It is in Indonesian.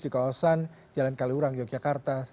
di kawasan jalan kaliurang yogyakarta